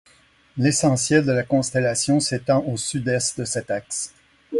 L'essentiel de la constellation s'étend au Sud-Est de cet axe.